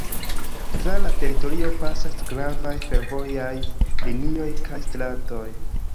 Tra la teritorio pasas gravaj fervojaj linioj kaj stratoj.